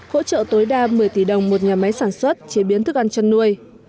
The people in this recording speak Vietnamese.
hỗ trợ tối đa một mươi tỷ đồng một nhà máy sản xuất chế biến thức ăn chăn nuôi